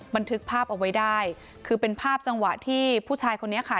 บันทึกภาพเอาไว้ได้คือเป็นภาพจังหวะที่ผู้ชายคนนี้ค่ะ